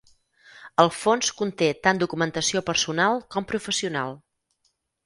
El fons conté tant documentació personal com professional.